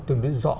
tương đối rõ